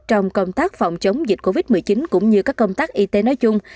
trong công tác phòng chống dịch covid một mươi chín cũng như các công tác y tế nói chung